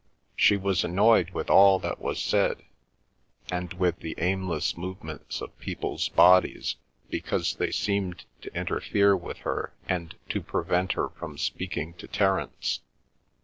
She was annoyed with all that was said, and with the aimless movements of people's bodies, because they seemed to interfere with her and to prevent her from speaking to Terence.